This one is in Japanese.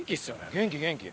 元気元気。